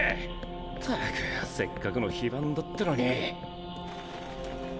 ったくよせっかくの非番だってのに。